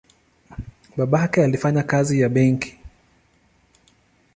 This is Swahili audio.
Babake alifanya kazi ya benki.